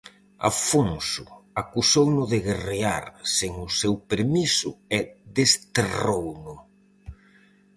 Afonso acusouno de guerrear sen o seu permiso e desterrouno.